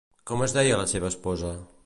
Com es deia la seva esposa?